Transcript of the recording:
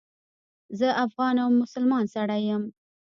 زه افغان او مسلمان سړی یم.